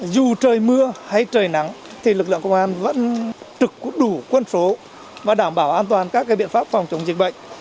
dù trời mưa hay trời nắng thì lực lượng công an vẫn trực đủ quân số và đảm bảo an toàn các biện pháp phòng chống dịch bệnh